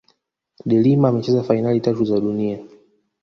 de Lima amecheza fainali tatu za dunia